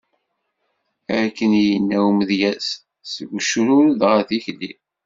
Akken i yenna umedyaz: Seg ucrured ɣer tikli.